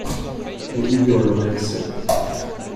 Livio lo vence.